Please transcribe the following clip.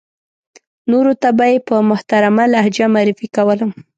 نورو ته به یې په محترمه لهجه معرفي کولم.